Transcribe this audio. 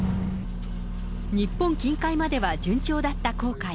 日本近海までは順調だった航海。